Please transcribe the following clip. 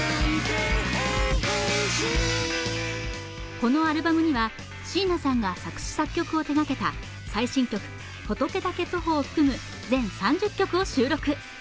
このアルバムには、椎名さんが作詞・作曲を手がけた最新曲「仏だけ徒歩」を含む全３０曲を収録。